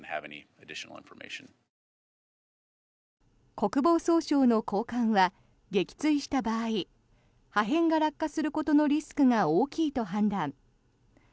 国防総省の高官は撃墜した場合破片が落下することのリスクが大きいと判断。